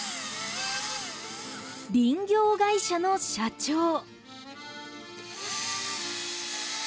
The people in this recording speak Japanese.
林業会社の社長。